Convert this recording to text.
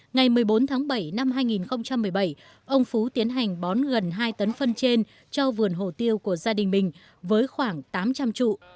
ngày một mươi bốn tháng bảy năm hai nghìn một mươi bảy ông phú tiến hành bón gần hai tấn phân trên cho vườn hồ tiêu của gia đình mình với khoảng tám trăm linh trụ